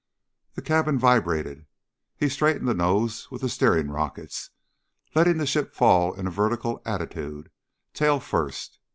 The cabin vibrated. He straightened the nose with the steering rockets, letting the ship fall in a vertical attitude, tail first.